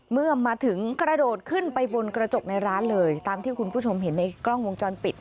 เมื่อมาถึงกระโดดขึ้นไปบนกระจกในร้านเลยตามที่คุณผู้ชมเห็นในกล้องวงจรปิด